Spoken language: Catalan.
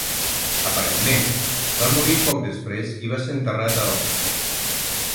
Aparentment, va morir poc després i va ser enterrat a Oxford.